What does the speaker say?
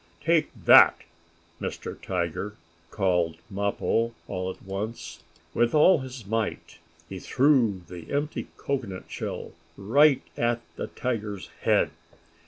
"Take that, Mr. Tiger!" called Mappo, all at once. With all his might he threw the empty cocoanut shell right at the tiger's head.